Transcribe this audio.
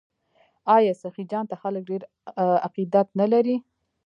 آیا سخي جان ته خلک ډیر عقیدت نلري؟